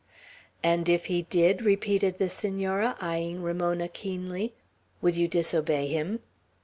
"And if he did," repeated the Senora, eyeing Ramona keenly, "would you disobey him?"